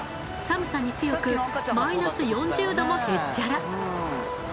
寒さに強くマイナス４０℃もへっちゃら。